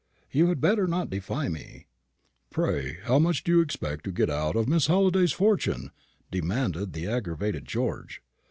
"You had better not defy me." "Pray how much do you expect to get out of Miss Halliday's fortune?" demanded the aggravated George.